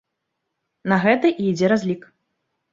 На гэта і ідзе разлік.